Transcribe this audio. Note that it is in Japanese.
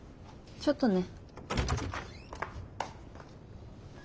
ちょっとね。